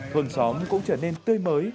thường xóm cũng trở nên tươi mới